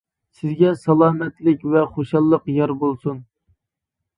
سىزگە سالامەتلىك ۋە خۇشاللىق يار بولسۇن!